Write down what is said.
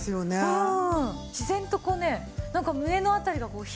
うん。